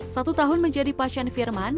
satu tahun menjadi pasien firman